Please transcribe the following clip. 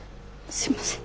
すいません。